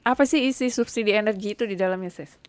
apa sih isi subsidi energi itu di dalamnya chef